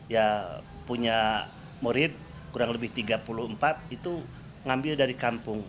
ya punya murid kurang lebih tiga puluh empat itu ngambil dari kampung